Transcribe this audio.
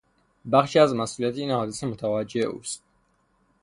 بخشی از مسئولیت این حادثه متوجه اوست.